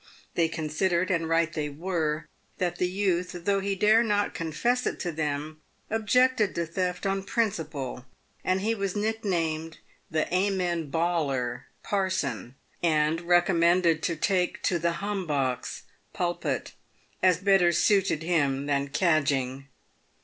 They considered — and right they were — that the youth, though he dare not confess it to them, objected to theft on principle, and he was nicknamed the "Amen bawler" (parson), and recommended to take [to the " hum box" 310 PAVED WITH GOLD. (pulpit) as better suited to him than cadging.